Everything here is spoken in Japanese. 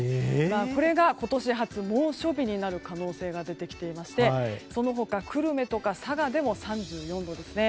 これが今年初、猛暑日になる可能性が出てきていましてその他久留米や佐賀でも３４度ですね。